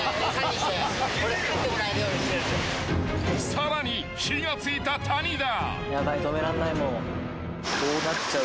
［さらに火が付いた谷田］